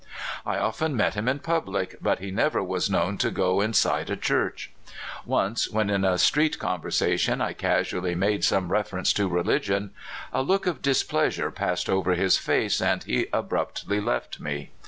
I often met him in public, but he never was known to go inside a church. Once, when in a street conversation I casually made some reference to religion, a look of displeasure passed over his face, and he abruptly left me.